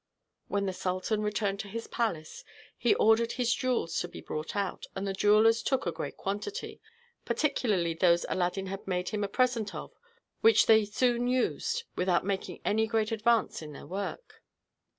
When the sultan returned to his palace, he ordered his jewels to be brought out, and the jewellers took a great quantity, particularly those Aladdin had made him a present of, which they soon used, without making any great advance in their work.